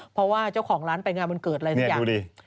เพราะว่าเจ้าของร้านไปงานวันเกิดอะไรทุกอย่าง